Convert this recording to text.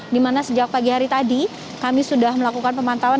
dimana sejak pagi hari tadi kami sudah melakukan pemantauan